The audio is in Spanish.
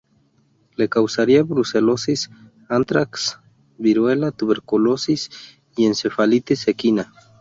Le causaría brucelosis, anthrax, Viruela, tuberculosis y encefalitis equina.